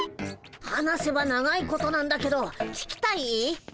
話せば長いことなんだけど聞きたい？